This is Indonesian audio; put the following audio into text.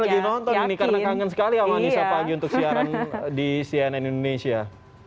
lagi nonton ini karena kangen sekali sama anissa pagi untuk siaran di cnn indonesia